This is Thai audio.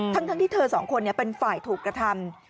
ทั้งที่เธอสองคนเป็นฝ่ายถูกกระทำ